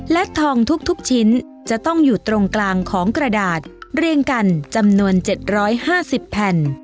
และทองทุกชิ้นจะต้องอยู่ตรงกลางของกระดาษเรียงกันจำนวน๗๕๐แผ่น